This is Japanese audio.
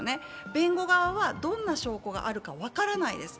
弁護側はどんな証拠があるか分からないです。